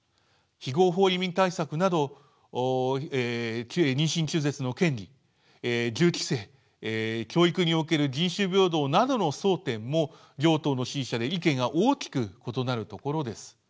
非合法移民対策など妊娠中絶の権利銃規制教育における人種平等などの争点も両党の支持者で意見が大きく異なるところです。